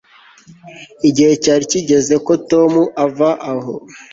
igihe cyari kigeze ko tom ava aho